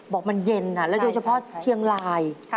บอกมันเย็นแล้วโดยเฉพาะเชียงราย